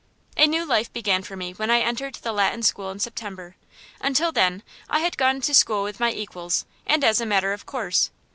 A new life began for me when I entered the Latin School in September. Until then I had gone to school with my equals, and as a matter of course.